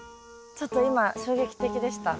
ちょっと今衝撃的でした。